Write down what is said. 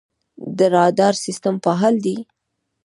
د رادار سیستم فعال دی؟